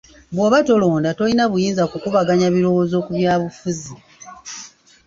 Bw'oba tolonda tolina buyinza kukubaganya birowoozo ku byabufuzi.